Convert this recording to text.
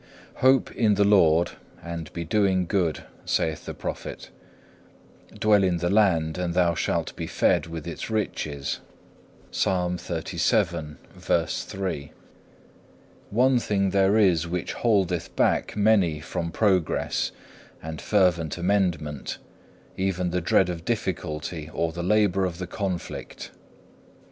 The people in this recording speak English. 3. Hope in the Lord and be doing good, saith the Prophet; dwell in the land and thou shalt be fed(1) with its riches. One thing there is which holdeth back many from progress and fervent amendment, even the dread of difficulty, or the labour of the conflict.